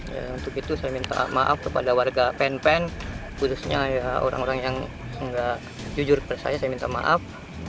ya untuk itu saya minta maaf kepada warga pen pen khususnya orang orang yang nggak jujur pada saya saya minta maaf